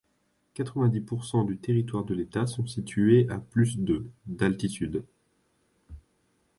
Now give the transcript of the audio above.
Quatre-vingt-dix pour cent du territoire de l'État sont situés à plus de d'altitude.